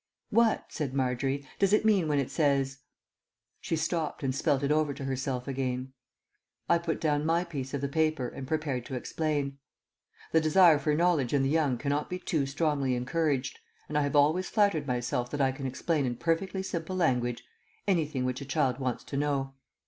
"What," said Margery, "does it mean when it says " She stopped and spelt it over to herself again. I put down my piece of the paper and prepared to explain. The desire for knowledge in the young cannot be too strongly encouraged, and I have always flattered myself that I can explain in perfectly simple language anything which a child wants to know.